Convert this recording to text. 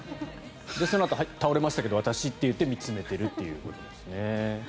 そのあと、倒れましたけど私と言って見つめているということですね。